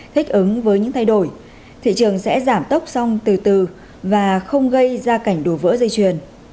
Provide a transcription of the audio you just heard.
thích ứng với những thay đổi thị trường sẽ giảm tốc xong từ từ và không gây ra cảnh đổ vỡ dây chuyền